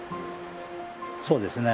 そうですね